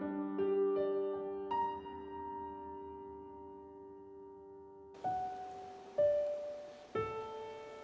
ลูกสงสัย